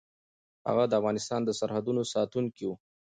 هغه د افغانستان د سرحدونو ساتونکی و.